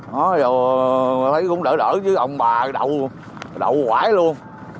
rồi thấy cũng đỡ đỡ chứ ông bà đậu đậu quãi luôn